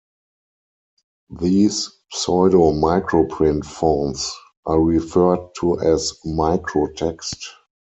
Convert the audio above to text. These pseudo-microprint fonts are referred to as microtext.